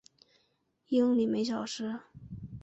英里每小时。